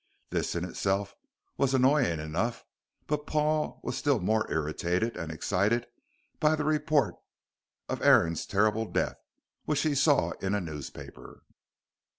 This in itself was annoying enough, but Paul was still more irritated and excited by the report of Aaron's terrible death, which he saw in a newspaper.